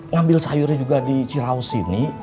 ngambil sayurnya juga di ciraus ini